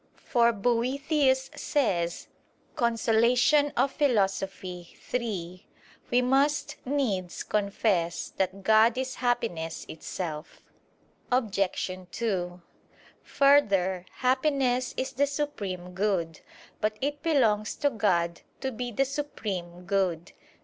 For Boethius says (De Consol. iii): "We must needs confess that God is happiness itself." Obj. 2: Further, happiness is the supreme good. But it belongs to God to be the supreme good.